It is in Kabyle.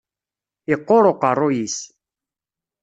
Yeqquṛ uqeṛṛu-yis.